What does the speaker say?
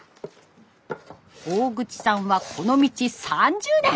大口さんはこの道３０年。